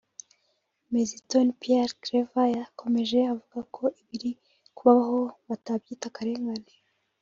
Me Zitoni Pierre Claver yakomeje avuga ko ibiri kubabaho batabyita akarengane